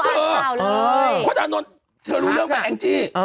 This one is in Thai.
พ่ออานทนท์หาเจ้ารู้เรื่องแบบแองจิ